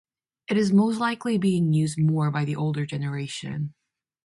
It is most likely being used more by the older generation.